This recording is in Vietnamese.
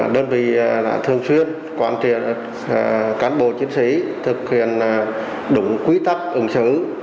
đơn vị thường xuyên quản truyền cán bộ chiến sĩ thực hiện đúng quy tắc ứng xử